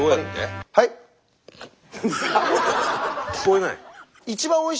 聞こえない？